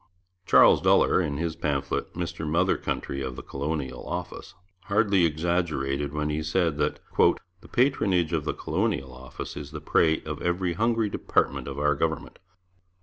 Charles Duller, in his pamphlet Mr Mother Country of the Colonial Office, hardly exaggerated when he said that 'the patronage of the Colonial Office is the prey of every hungry department of our government.